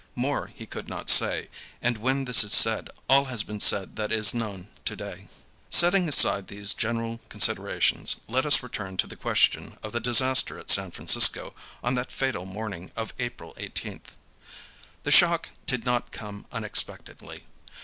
More he could not say, and when this is said all has been said that is known to day. Setting aside these general considerations, let us return to the question of the disaster at San Francisco on that fatal morning of April 18th. The shock did not come unexpectedly.